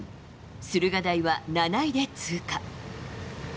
駿河台は７位で通過。